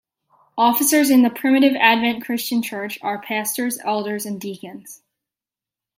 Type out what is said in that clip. Officers in the "Primitive Advent Christian Church" are pastors, elders and deacons.